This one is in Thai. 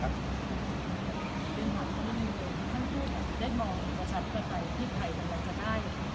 คุณหวังว่าท่านดูนได้มองประชาติประไทยที่ไทยกำลังจะได้